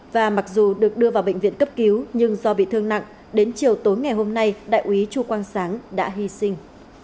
và mặc dù được đưa vào bệnh viện cấp cứu nhưng do bị thương nặng đến chiều tối ngày hôm nay đại úy chu quang sáng đã hy sinh